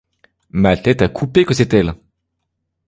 Ma tête à couper que c'est elle !